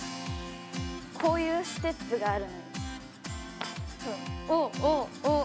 こういうステップがある。